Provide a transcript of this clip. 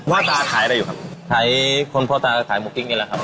ตาขายอะไรอยู่ครับขายคนพ่อตาขายหมูกิ้งนี่แหละครับ